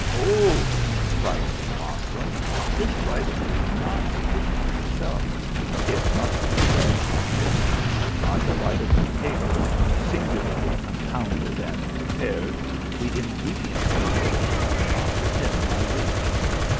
"Hold," replied the Moslem, "this writing is not sufficient of itself; it must be read at midnight, by the light of a taper singularly compounded and pre pared, the ingredients of which are not within my reach.